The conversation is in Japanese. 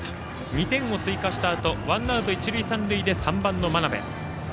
２点を追加したあとワンアウト、一塁三塁で３番の真鍋。